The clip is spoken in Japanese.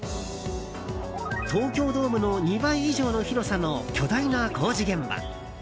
東京ドームの２倍以上の広さの巨大な工事現場。